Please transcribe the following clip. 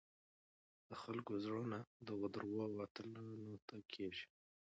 د خلکو زړونه دغو دروغو اتلانو ته کېږي.